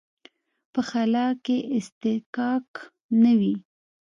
په خلا کې اصطکاک نه وي.